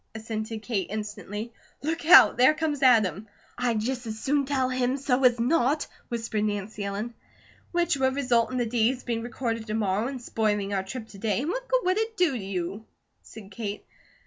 assented Kate, instantly. "Look out! There comes Adam." "I'd just as soon tell him so as not!" whispered Nancy Ellen. "Which would result in the deeds being recorded to morrow and spoiling our trip to day, and what good would it do you?" said Kate.